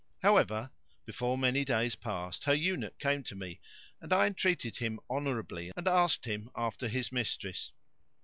However, before many days passed her eunuch came to me, and I entreated him honourably and asked him after his mistress.